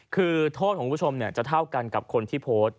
คือโทษของคุณผู้ชมจะเท่ากันกับคนที่โพสต์